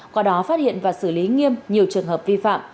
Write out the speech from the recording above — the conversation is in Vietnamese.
qua đó phát hiện và xử lý nghiêm nhiều trường hợp vi phạm